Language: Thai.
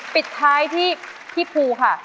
ปิดท้ายที่พี่ภูค่ะ